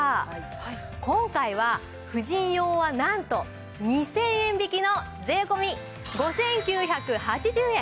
今回は婦人用はなんと２０００円引きの税込５９８０円！